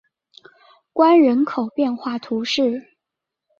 关人口变化图示